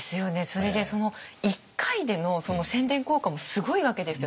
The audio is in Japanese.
それで一回での宣伝効果もすごいわけですよね